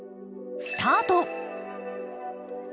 スタート！